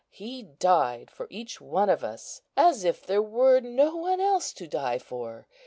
He died for each one of us, as if there were no one else to die for.